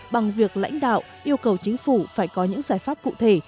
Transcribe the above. bằng việc lãnh đạo yêu cầu chính phủ phải có những giải pháp cụ thể